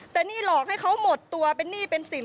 แต่นี่หลอกให้เขาหมดตัวเป็นหนี้เป็นสิน